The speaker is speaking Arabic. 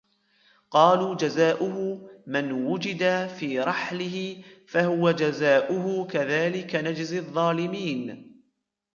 قَالُوا جَزَاؤُهُ مَنْ وُجِدَ فِي رَحْلِهِ فَهُوَ جَزَاؤُهُ كَذَلِكَ نَجْزِي الظَّالِمِينَ